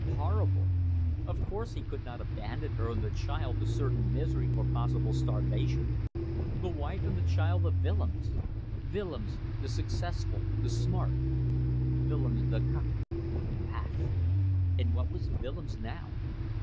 Horrible! Of course he could not abandon her and the child to certain misery or possible starvation. The wife and the child of Willems. Willems the successful, the smart; Willems the conf .... Pah! And what was Willems now?